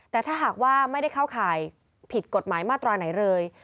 แต่ถ้าหากว่าไม่ได้เข้าข่ายผิดกฎหมายมาตราไหนเลย